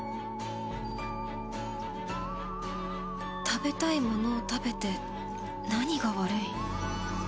食べたいものを食べて何が悪い